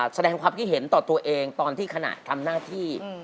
แสดงความคิดเห็นต่อตัวเองตอนที่ขณะทำหน้าที่